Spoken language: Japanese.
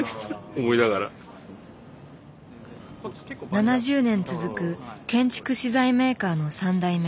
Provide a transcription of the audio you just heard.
７０年続く建築資材メーカーの３代目。